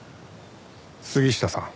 杉下さん。